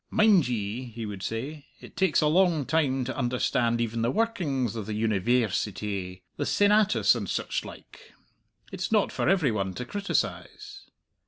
"Mind ye," he would say, "it takes a long time to understand even the workings of the Univairsity the Senatus and such like; it's not for every one to criticize."